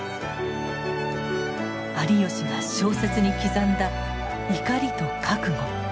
有吉が小説に刻んだ怒りと覚悟。